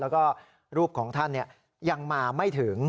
แล้วก็รูปของท่านยังมาไม่ถึง